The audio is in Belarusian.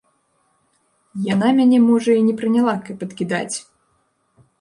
Яна мяне, можа, і не прыняла, каб адкідаць.